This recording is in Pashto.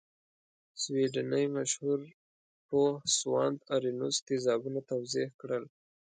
سویډنۍ مشهور پوه سوانت ارینوس تیزابونه توضیح کړل.